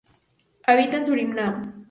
Habita en Surinam.